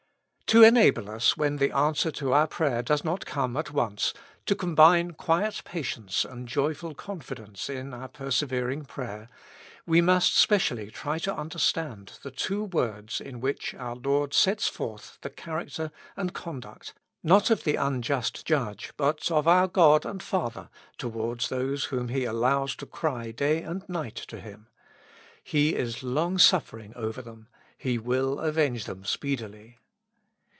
To enable us, when the answer to our prayer does not come at once, to combine quiet patience and joyful confidence in our persevering prayer, we must specially try to understand the two words in which 125 With Christ in the School of Prayer. our Lord sets forth the character and conduct, not of the unjust judge, but of our God and Father, towards those whom He allows to cry day and night to Him :" He is lo7ig suffering over them ; He will avenge them speedily.'''